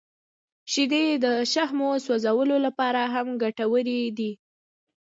• شیدې د شحمو سوځولو لپاره هم ګټورې دي.